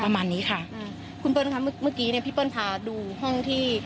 ประมาณนี้ค่ะอืมคุณเปิ้ลค่ะเมื่อกี้เนี้ยพี่เปิ้ลพาดูห้องที่